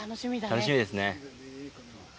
楽しみですね。